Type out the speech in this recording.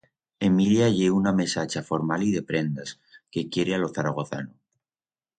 Emilia ye una mesacha formal y de prendas, que quiere a lo zaragozano.